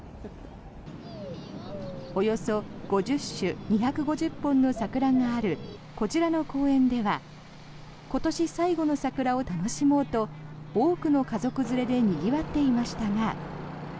およそ５０種２５０本の桜があるこちらの公園では今年最後の桜を楽しもうと多くの家族連れでにぎわっていましたが。